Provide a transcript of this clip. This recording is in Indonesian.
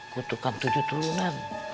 kutukan tujuh telunan